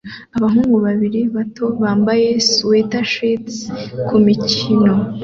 abahungu babiri bato bambaye swetashirts kumikino